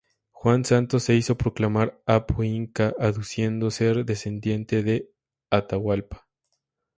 Juan Santos se hizo proclamar Apu Inca, aduciendo ser descendiente de Atahualpa.